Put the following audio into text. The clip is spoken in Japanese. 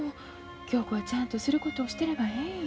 恭子はちゃんとすることをしてればええんよ。